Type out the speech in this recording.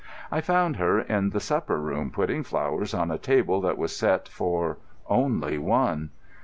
I found her in the supper room, putting flowers on a table that was set for—only one.